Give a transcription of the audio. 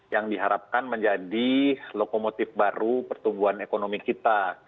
yang diharapkan menjadi lokomotif baru pertumbuhan ekonomi kita